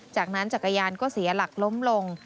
จากนั้นจักรยานก็เสียหลักล้มลง